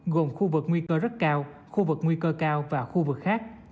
gồm khu vực nguy cơ rất cao khu vực nguy cơ cao và khu vực khác